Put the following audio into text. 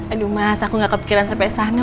aduh mas aku gak kepikiran sampai sana